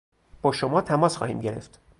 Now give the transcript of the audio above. با شما تماس خواهیم گرفت.